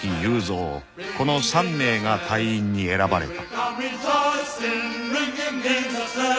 ［この３名が隊員に選ばれた］